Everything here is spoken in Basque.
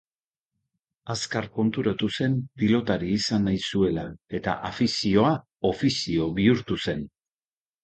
Azkar konturatu zen pilotari izan nahi zuela eta afizioa ofizo bihurtu zen.